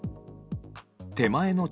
手前の茶